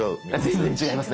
全然違いますね！